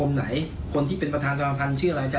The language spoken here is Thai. ย่างที่น้องผมทหารเยอะแยะ